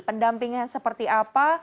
pendampingan seperti apa